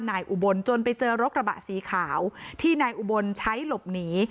อุบลจนไปเจอรถกระบะสีขาวที่นายอุบลใช้หลบหนี